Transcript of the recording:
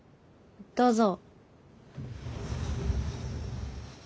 どうぞ。